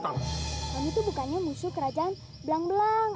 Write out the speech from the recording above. itu bukannya musuh kerajaan belang belang